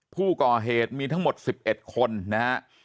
ผู้ก่อเหตุมีทั้งหมด๑๑คนนะฮะ